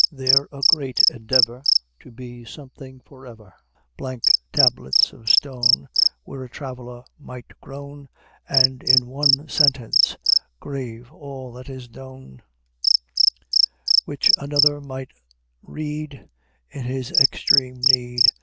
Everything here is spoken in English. They're a great endeavor To be something forever; Blank tablets of stone, Where a traveler might groan, And in one sentence Grave all that is known; Which another might read, In his extreme need.